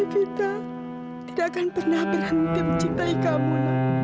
kita tidak akan pernah berhenti mencintai kamu